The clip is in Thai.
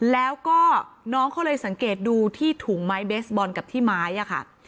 แล้วก็น้องเขาเลยสังเกตดูที่ถุงไม้เบสบอลกับที่ไม้อะค่ะ